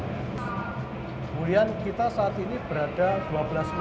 kemudian kita saat ini berada dua belas meter di bawah permukaan tanah